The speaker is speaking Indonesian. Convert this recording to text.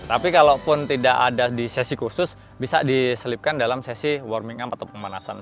tapi kalau pun tidak ada di sesi khusus bisa diselipkan dalam sesi warming up atau pemanasan